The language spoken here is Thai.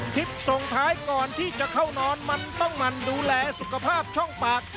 ส่งท้ายก่อนที่จะเข้านอนมันต้องหมั่นดูแลสุขภาพช่องปาก